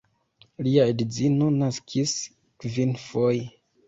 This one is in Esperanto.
Lia edzino naskis kvinfoje.